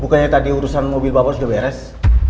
bukannya tadi urusan mobil bapak sudah beres